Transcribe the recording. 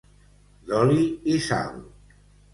D'oli i sal.